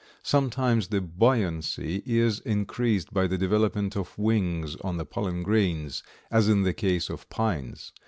Sometimes the buoyancy is increased by the development of wings on the pollen grains, as in the case of pines.